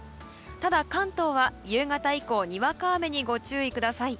ただ、関東は夕方以降にわか雨にご注意ください。